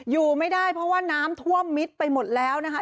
อยู่ไม่ได้เพราะว่าน้ำท่วมมิดไปหมดแล้วนะคะ